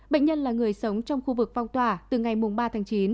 bệnh nhân là người sống trong khu vực phong tỏa từ ngày ba tháng chín